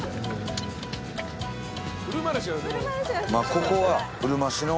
ここはうるま市の。